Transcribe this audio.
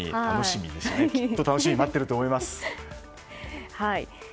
きっと楽しみに待っていると思います。